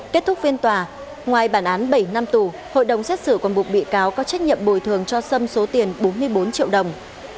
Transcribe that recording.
kết thúc phiên tòa ngoài bản án bảy năm tù hội đồng xét xử còn buộc bị cáo có trách nhiệm bồi thường cho sâm số tiền bốn mươi bốn triệu đồng